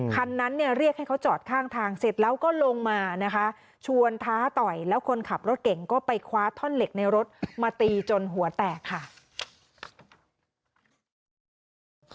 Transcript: คันนั้นเนี่ยเรียกให้เขาจอดข้างทางเสร็จแล้วก็ลงมานะคะชวนท้าต่อยแล้วคนขับรถเก่งก็ไปคว้าท่อนเหล็กในรถมาตีจนหัวแตกค่ะ